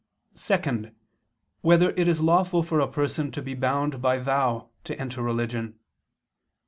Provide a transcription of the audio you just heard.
(2) Whether it is lawful for a person to be bound by vow to enter religion?